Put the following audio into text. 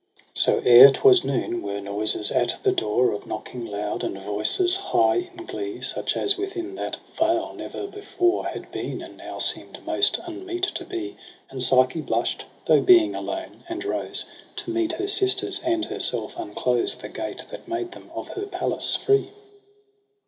JUNE lie, So ere 'twas noon were noises at the door Of knocking loud and voices high in glee ^ Such as within that vale never before Had been, and now seemed most unmeet to be. And Psyche blush' d, though being alone, and rose To meet her sisters and herself unclose The gate that made them of her palace free.